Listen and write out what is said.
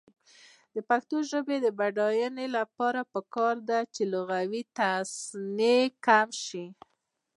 د پښتو ژبې د بډاینې لپاره پکار ده چې لغوي تصنع کم شي.